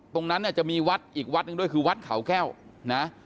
ตรงนั้นเนี่ยจะมีวัดอีกวัดหนึ่งด้วยคือวัดเขาแก้วนะ